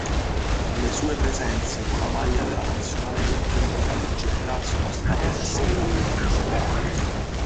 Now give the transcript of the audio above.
Le sue presenze con la maglia della nazionale di atletica leggera sono state sessantatré.